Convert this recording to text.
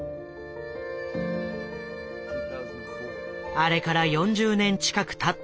あれから４０年近くたった